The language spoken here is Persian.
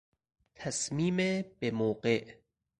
تصمیم بموقع